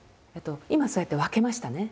今そうやって分けましたね。